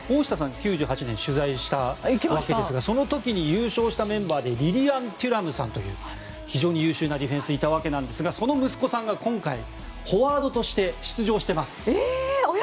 ９８年取材していますがその時、優勝したメンバーでリリアン・テュラムさんという非常に優秀なディフェンスがいたわけなんですが今回フォワードとして出場しています。